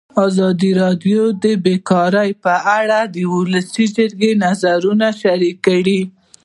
ازادي راډیو د بیکاري په اړه د ولسي جرګې نظرونه شریک کړي.